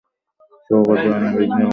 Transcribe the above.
সকল কার্যই নানা বিঘ্নের মধ্যে সমাধান হয়।